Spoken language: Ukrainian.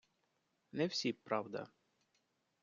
Не всі, правда.